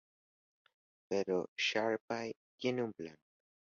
Pero Sharpay tiene un plan.